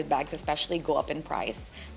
semua bagian aku terutama berjualan